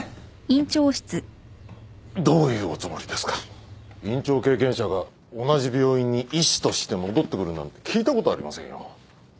院長経験者が同じ病院に医師として戻ってくるなんて聞いたことありませんよ。